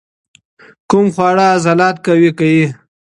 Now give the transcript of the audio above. کوم خواړه عضلات قوي کوي؟